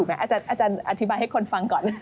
อาจารย์อธิบายให้คนฟังก่อน